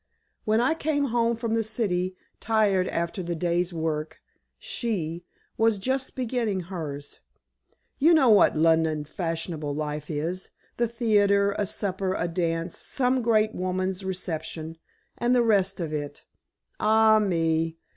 When I came home from the City, tired after the day's work, she was just beginning hers. You know what London fashionable life is—the theater, a supper, a dance, some great lady's 'reception,' and the rest of it. Ah, me!